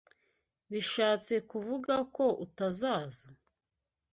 Bishatse kuvuga ko utazaza?